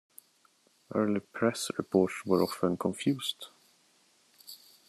Early press reports were often confused.